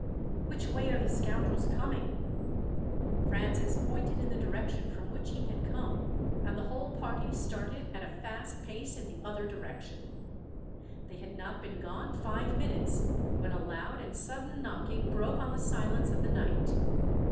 "Which way are the scoundrels coming?" Francis pointed in the direction from which he had come, and the whole party started at a fast pace in the other direction. They had not been gone five minutes, when a loud and sudden knocking broke on the silence of the night.